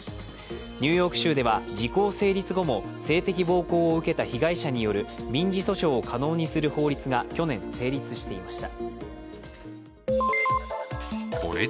ニューヨーク州では時効成立後も性的暴行を受けた被害者による民事訴訟を可能にする法律が去年成立していました。